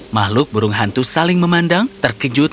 makhluk burung hantu saling memandang terkejut melihat ayahnya